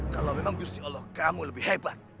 kalau memang gusti allah kamu lebih hebat